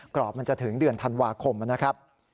กรอบมันจะถึงเดือนธันวาคมนะครับ